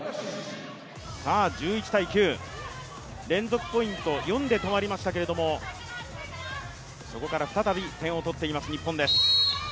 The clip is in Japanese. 連続ポイントは４で止まりましたけども、そこから再び点を取っています、日本です。